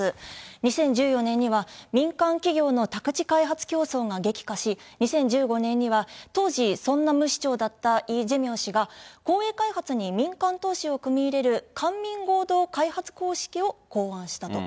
２０１４年には民間企業の宅地開発競争が激化し、２０１５年には、当時ソンナム市長だったイ・ジェミョン氏が、公営開発に民間投資を組み入れる、官民合同開発方式を考案したと。